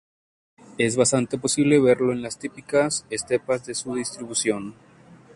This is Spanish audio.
Es bastante posible verlo en las típicas estepas de su distribución.